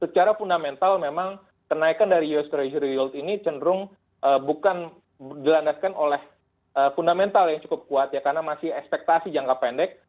secara fundamental memang kenaikan dari us treasury yield ini cenderung bukan dilandaskan oleh fundamental yang cukup kuat ya karena masih ekspektasi jangka pendek